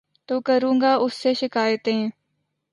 تو کروں گا اُس سے شکائتیں